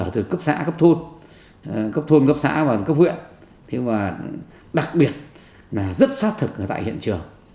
từ cấp xã cấp thôn cấp thôn cấp xã và cấp huyện và đặc biệt là rất xác thực ở tại hiện trường